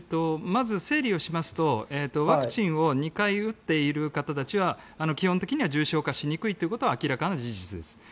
まず、整理をしますとワクチンを２回打っている方たちは基本的には重症化しにくいことは明らかな事実です。